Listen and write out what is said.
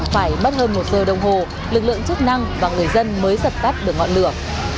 phải mất hơn một giờ đồng hồ lực lượng chức năng và người dân mới dập tắt được ngọn lửa